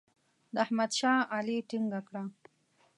د احمد شا علي ټینګه کړه.